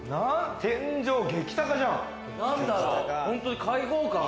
天井、激高じゃん。